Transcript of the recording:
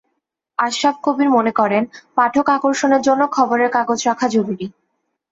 আশরাফ কবির মনে করেন, পাঠক আকর্ষণের জন্য খবরের কাগজ রাখা জরুরি।